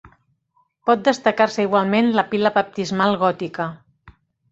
Pot destacar-se igualment la pila baptismal gòtica.